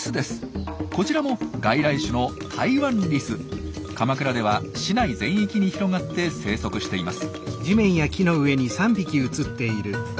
こちらも外来種の鎌倉では市内全域に広がって生息しています。